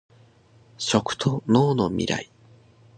食と農のミライ